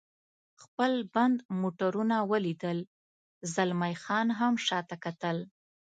خپل بند موټرونه ولیدل، زلمی خان هم شاته کتل.